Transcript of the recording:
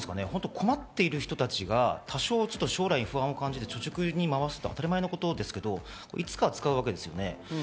困っている人たちが多少将来に不安を感じて貯蓄に回すのは当たり前のことですけど、いつか使うわけですよね。